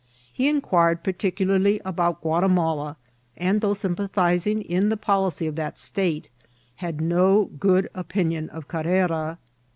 He inquired particularly about Guatimala ; and, though sympathizing in the policy of that state, had no good opinion of Carrera.